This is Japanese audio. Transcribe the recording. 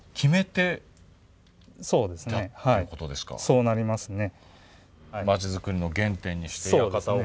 そうなりますね。